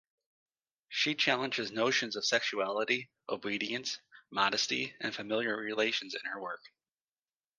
She challenges notions of sexuality, obedience, modesty, and familiar relations in her work.